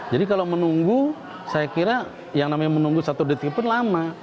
jadi kalau menunggu saya kira yang namanya menunggu satu detik pun lama